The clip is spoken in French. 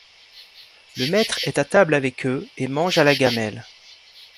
Le maître est à table avec eux et mange à la gamelle.